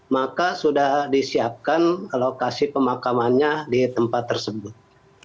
maka sudah disiapkan lokasi pemakamannya di tempat tersebut